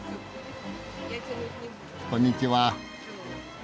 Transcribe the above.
こんにちは。